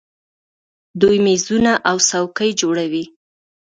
دوی میزونه او څوکۍ جوړوي.